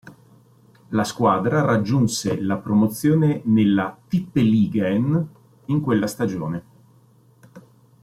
La squadra raggiunse la promozione nella Tippeligaen in quella stagione.